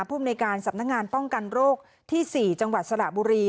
ภูมิในการสำนักงานป้องกันโรคที่๔จังหวัดสระบุรี